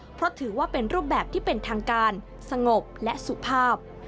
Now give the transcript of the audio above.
เพราะถือว่าเป็นรูปแบบที่เป็นทางการสงบและสุภาพ